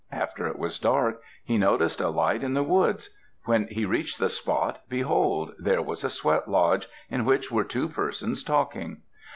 After it was dark, he noticed a light in the woods. When he reached the spot, behold! there was a sweat lodge, in which were two persons talking.